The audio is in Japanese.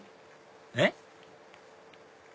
えっ？